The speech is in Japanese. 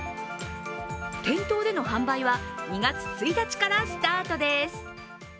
店頭での販売は２月１日からスタートです。